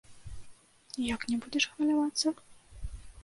Як не будзеш хвалявацца?